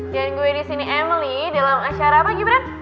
dan gue di sini emily dalam acara apa gibran